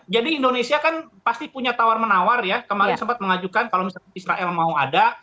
jadi indonesia kan pasti punya tawar menawar ya kemarin sempat mengajukan kalau misalnya israel mau ada